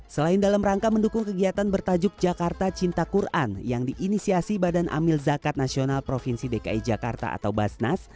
selain dalam rangka mendukung kegiatan bertajuk jakarta cinta quran yang diinisiasi badan amil zakat nasional provinsi dki jakarta atau basnas